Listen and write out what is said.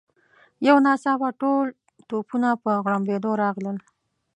یو ناڅاپه ټول توپونه په غړمبېدو راغلل.